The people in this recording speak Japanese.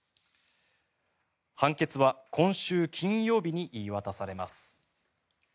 判決は今週金曜日に言い渡されます。